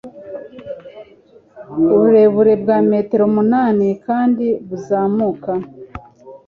uburebure bwa metero umunani kandi buzamuka !!